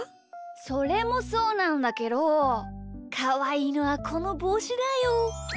それもそうなんだけどかわいいのはこのぼうしだよ。